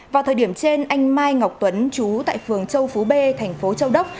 vào thời điểm trên anh mai ngọc tuấn chú tại phường châu phú b thành phố châu đốc